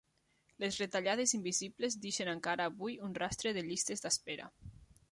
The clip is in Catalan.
Les retallades invisibles deixen encara avui un rastre de llistes d'espera